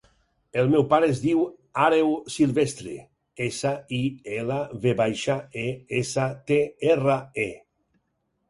El meu pare es diu Àreu Silvestre: essa, i, ela, ve baixa, e, essa, te, erra, e.